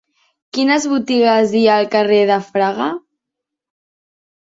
Quines botigues hi ha al carrer de Fraga?